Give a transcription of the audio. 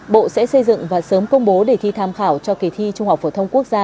bộ sẽ xây dựng và sớm công bố để thi tham khảo cho kỳ thi trung học phổ thông quốc gia hai nghìn hai mươi